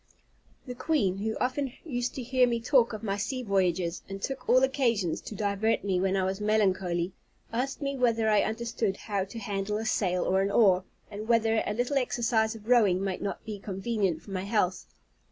The queen, who often used to hear me talk of my sea voyages, and took all occasions to divert me when I was melancholy, asked me whether I understood how to handle a sail or an oar, and whether a little exercise of rowing might not be convenient for my health?